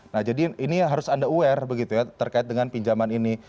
nah jadi ini harus anda aware begitu ya terkait dengan pinjaman ini